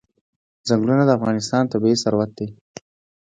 چنګلونه د افغانستان طبعي ثروت دی.